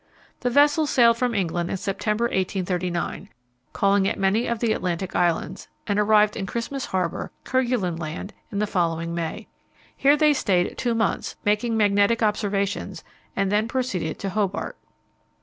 The vessels sailed from England in September, 1839, calling at many of the Atlantic Islands, and arrived in Christmas Harbour, Kerguelen Land, in the following May. Here they stayed two months, making magnetic observations, and then proceeded to Hobart.